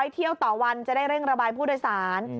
เที่ยวต่อวันจะได้เร่งระบายผู้โดยสาร